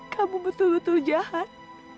kamu betul betul jahat